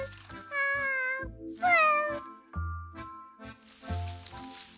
あーぷん？